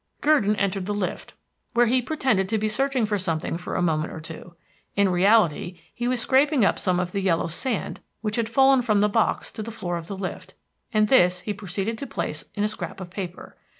Gurdon entered the lift, where he pretended to be searching for something for a moment or two. In reality, he was scraping up some of the yellow sand which had fallen from the box to the floor of the lift, and this he proceeded to place in a scrap of paper.